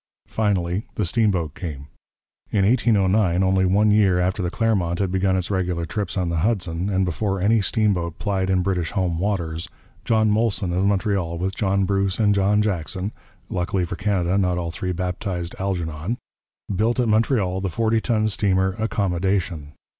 Finally the steamboat came. In 1809, only one year after the Clermont had begun its regular trips on the Hudson, and before any steamboat plied in British home waters, John Molson of Montreal with John Bruce and John Jackson luckily for Canada not all three baptized 'Algernon' built at Montreal the 40 ton steamer Accommodation.